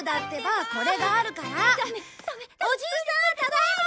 おじいさんただいま！